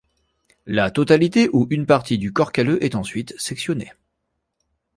La totalité ou une partie du corps calleux est ensuite sectionnée.